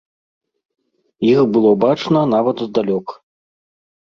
Іх было бачна нават здалёк.